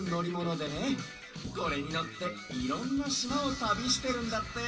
これにのっていろんなしまをたびしてるんだって。